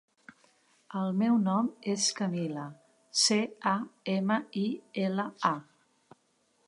El meu nom és Camila: ce, a, ema, i, ela, a.